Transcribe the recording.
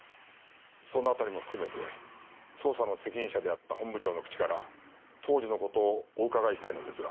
その辺りも含めて捜査の責任者であった本部長の口から当時の事をお伺いしたいのですが。